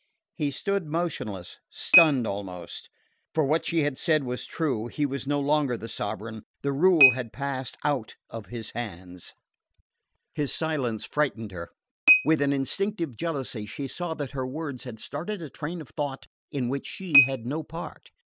He stood motionless, stunned almost. For what she had said was true. He was no longer the sovereign: the rule had passed out of his hands. His silence frightened her. With an instinctive jealousy she saw that her words had started a train of thought in which she had no part.